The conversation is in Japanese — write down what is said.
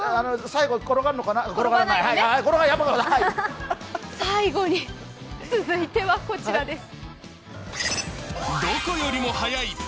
最後に続いては、こちらです。